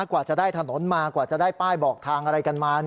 กว่าจะได้ถนนมากว่าจะได้ป้ายบอกทางอะไรกันมา